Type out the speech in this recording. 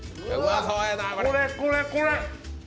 これ、これ、これ！